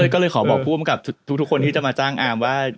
ก็เลยขอบอกผู้อำกับทุกคนที่จะมาจ้างอาร์มว่า